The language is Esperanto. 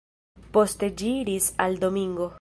Poste ĝi iris al Domingo.